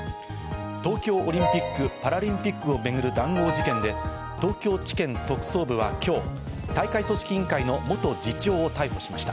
東京オリンピック・パラリンピックをめぐる談合事件で、東京地検特捜部は今日、大会組織委員会の元次長を逮捕しました。